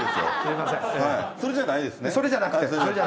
それじゃないですね？